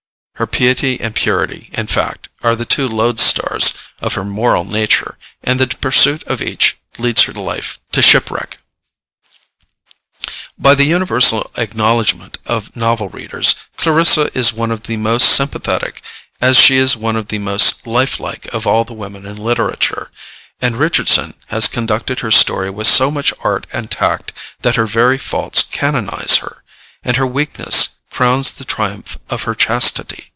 Her piety and purity, in fact, are the two loadstars of her moral nature, and the pursuit of each leads her life to shipwreck. By the universal acknowledgment of novel readers, Clarissa is one of the most sympathetic, as she is one of the most lifelike, of all the women in literature, and Richardson has conducted her story with so much art and tact that her very faults canonize her, and her weakness crowns the triumph of her chastity.